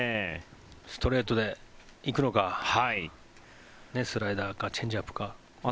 ストレートで行くのかスライダーかチェンジアップか。